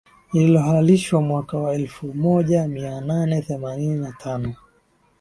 lililohalalishwa mwaka wa elfu moja mia nane themanini na tano